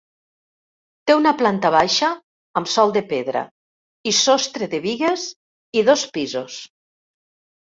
Té una planta baixa amb sòl de pedra i sostre de bigues i dos pisos.